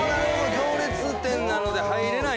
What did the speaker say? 行列店なので入れない。